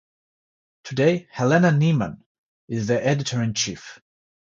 Today Helena Nyman is the editor-in-chief.